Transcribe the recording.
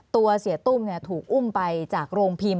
ตัวเสียตุ้มถูกอุ้มไปจากโรงพิมพ์